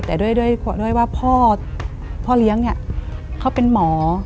แต่ด้วยว่าพ่อเลี้ยงเนี่ยเขาเป็นหมอ